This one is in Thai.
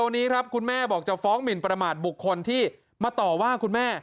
วันนี้ครับคุณแม่บอกจะฟ้องหมินประมาทบุคคลที่มาต่อว่าคุณแม่